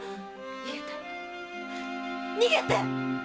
逃げて逃げて！